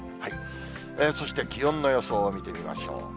そして気温の予想を見てみましょう。